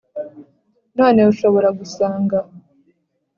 noneho ushobora gusanga